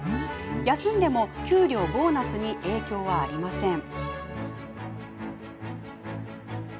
休んでも給料、ボーナスに影響はありません。